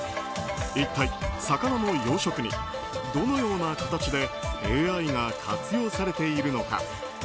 一体、魚の養殖にどのような形でＡＩが活用されているのか。